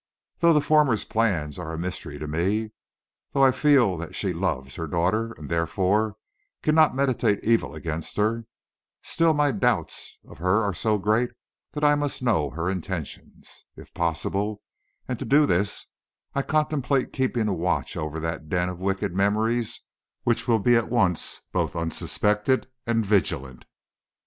Though the former's plans are a mystery to me; though I feel that she loves her daughter, and, therefore, cannot meditate evil against her, still my doubts of her are so great that I must know her intentions, if possible, and to do this I contemplate keeping a watch over that den of wicked memories which will be at once both unsuspected and vigilant.